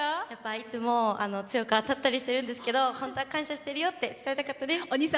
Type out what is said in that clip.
いつも、強く当たったりしてるんですけど本当は感謝してるよって伝えたかったです。